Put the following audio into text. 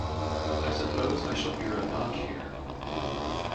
I suppose I shall hear a knock here.